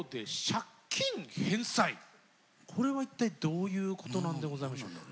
これは一体どういうことなんでございましょうか？